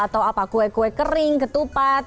atau apa kue kue kering ketupat